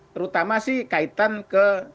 terutama sih kaitannya